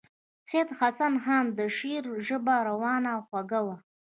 د سید حسن خان د شعر ژبه روانه او خوږه وه.